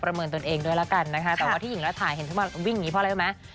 เมินตนเองด้วยแล้วกันนะคะแต่ว่าที่หญิงระถ่ายเห็นขึ้นมาวิ่งอย่างนี้เพราะอะไรรู้ไหม